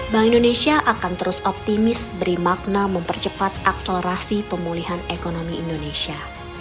bank indonesia akan terus optimis beri makna mempercepat akselerasi pemulihan ekonomi indonesia